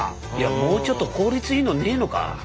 もうちょっと効率のいいのねえのか？